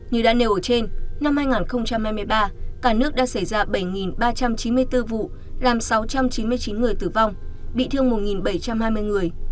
như đã nêu ở trên năm hai nghìn hai mươi ba cả nước đã xảy ra bảy ba trăm chín mươi bốn vụ làm sáu trăm chín mươi chín người tử vong bị thương một bảy trăm hai mươi người